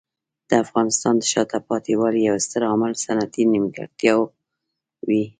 د افغانستان د شاته پاتې والي یو ستر عامل صنعتي نیمګړتیاوې دي.